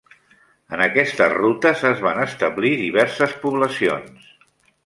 En aquestes rutes es van establir diverses poblacions.